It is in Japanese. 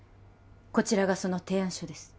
こちらがその提案書です